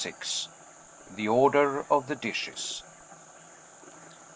THE ORDER OF THE DISHES.